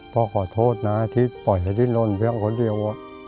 ขอโทษนะที่ปล่อยให้ดินนนทเพียงคนเดียว